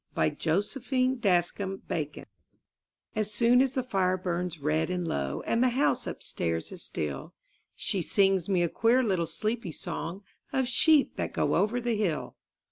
MY BOOK HOUSE THE SLEEPY SONG As soon as the fire burns red and low And the house upstairs is still She sings me a queer little sleepy song, Of sheep that go over the hill.